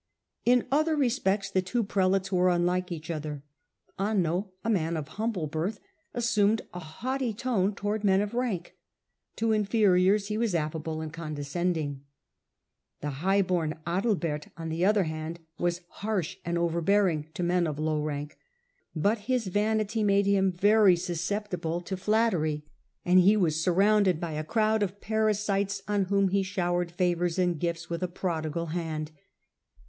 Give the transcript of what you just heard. In other respects the two prelates were unlike each other. Anno, a man of humble birth, assumed a haughty tone towards men of rank ; to inferiors he was afiable and condescending. The high bom Adalbert, on the other hand, was harsh and overbearing to men of low rank, but his vanity made him very susceptible to flattery, and he was surrounded by a crowd of parasites, on whom he showered favours and gifts with a prodigal hand.